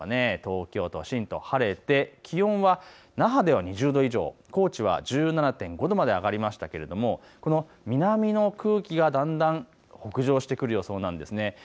東京都心と晴れて気温は那覇では２０度以上、高知は１７．５度まで上がりましたけれどもこの南の空気がだんだん北上してくる予想なんです。